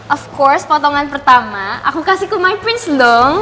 of course potongan pertama aku kasih ke my prince dong